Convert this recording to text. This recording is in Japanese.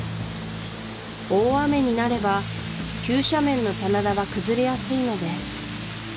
大雨になれば急斜面の棚田は崩れやすいのです